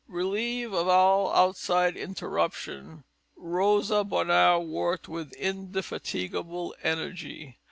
Relieved of all outside interruption, Rosa Bonheur worked with indefatigable energy.